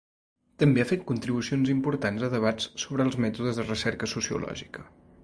També ha fet contribucions importants a debats sobre els mètodes de recerca sociològica.